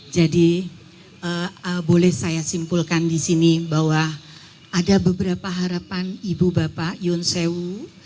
jadi boleh saya simpulkan di sini bahwa ada beberapa harapan ibu bapak yun sewu